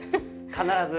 必ず。